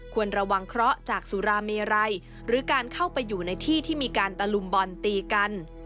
ควรระวังเคราะห์จากสุราเมไรหรือการเข้าไปอยู่ในที่ที่มีการตะลุมบอลตีกัน